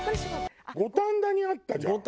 五反田にあったじゃん。